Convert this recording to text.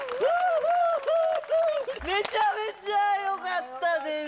めちゃめちゃよかったです。